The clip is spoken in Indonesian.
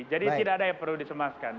jadi tidak ada yang perlu disemaskan